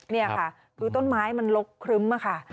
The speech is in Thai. นี่ค่ะคือต้นไม้มันลกครึ้มค่ะ